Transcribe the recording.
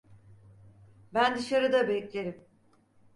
Ben dışarıda beklerim.